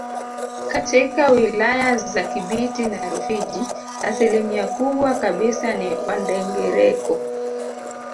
Katika wilaya za Kibiti na Rufiji asilimia kubwa kabisa ni Wandengereko